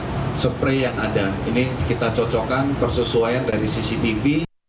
ada supray yang ada ini kita cocokkan persesuaian dari cctv